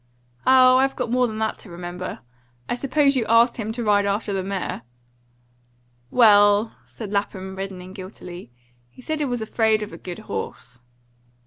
"Oh, I've got more than that to remember. I suppose you asked him to ride after the mare?" "Well," said Lapham, reddening guiltily, "he said he was afraid of a good horse."